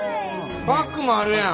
バッグもあるやん！